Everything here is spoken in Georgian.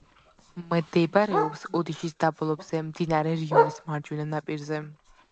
მდებარეობს ოდიშის დაბლობზე, მდინარე რიონის მარჯვენა ნაპირზე.